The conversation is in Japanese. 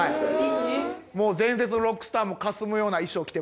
もう伝説のロックスターもかすむような衣装着てますんで。